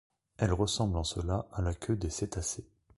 Elle ressemble en cela à la queue des cétacés.